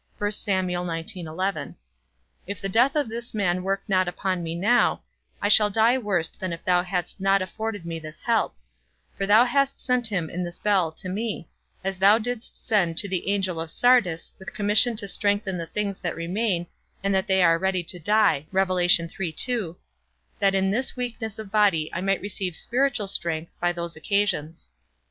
If the death of this man work not upon me now, I shall die worse than if thou hadst not afforded me this help; for thou hast sent him in this bell to me, as thou didst send to the angel of Sardis, with commission to strengthen the things that remain, and that are ready to die, that in this weakness of body I might receive spiritual strength by these occasions.